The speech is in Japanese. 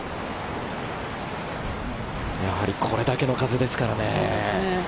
やはりこれだけの風ですからね。